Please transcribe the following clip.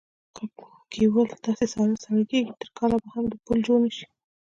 که کیوال داسې ساړه ساړه کېږي تر کاله به هم د پول جوړ نشي.